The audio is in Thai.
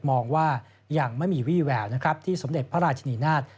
มองว่ายังไม่มีวี่แววนะครับที่สมเด็จพระราชนีนาฏ